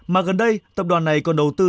mà gần đây tập đoàn này còn đầu tư